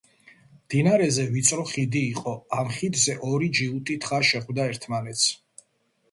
მდინარეზე ვიწრო ხიდი იყო. ამ ხიდზე ორი ჯიუტი თხა შეხვდა ერთმანეთს